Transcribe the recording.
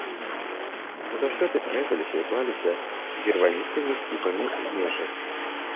Назаўсёды рэзаліся і клаліся дзірваністымі скібамі межы.